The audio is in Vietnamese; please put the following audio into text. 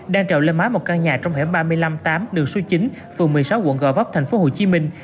đang trèo lên mái một căn nhà trong hẻm ba mươi năm tám đường số chín phường một mươi sáu quận gò vấp thành phố hồ chí minh